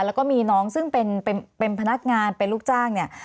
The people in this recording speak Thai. แล้วก็มีน้องซึ่งเป็นพนักงานเป็นลูกจ้างเนี่ย